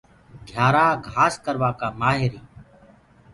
گهيآرآ گھآس ڪروآ ڪآ مآهر هينٚ۔